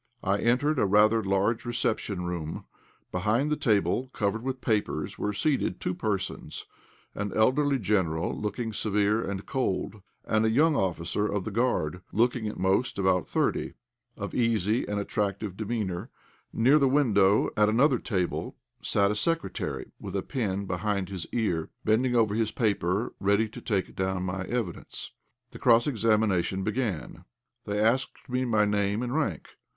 I entered a rather large reception room. Behind the table, covered with papers, were seated two persons, an elderly General, looking severe and cold, and a young officer of the Guard, looking, at most, about thirty, of easy and attractive demeanour; near the window at another table sat a secretary with a pen behind his ear, bending over his paper ready to take down my evidence. The cross examination began. They asked me my name and rank.